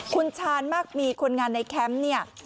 คุณชาญมากมีคนงานในแคมป์เนี่ย